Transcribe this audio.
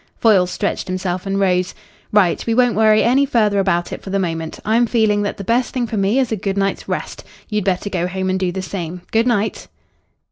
Foyle stretched himself and rose. "Right. We won't worry any further about it for the moment. I'm feeling that the best thing for me is a good night's rest. You'd better go home and do the same. Good night."